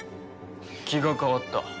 気が変わった。